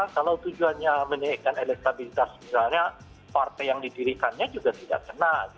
kalau tujuannya menaikkan elektabilitas misalnya partai yang didirikannya juga tidak kena